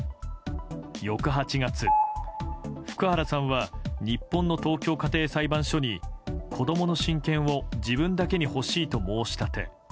翌８月、福原さんは日本の東京家庭裁判所に子供の親権を自分だけに欲しいと申し立て。